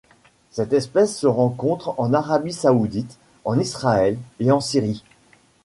Cette espèce se rencontre en Arabie saoudite, en Israël et en Syrie.